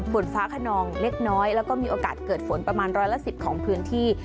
ฝนฟ้าขนองเล็กน้อยแล้วก็มีโอกาสเกิดฝนประมาณร้อยละ๑๐ของพื้นที่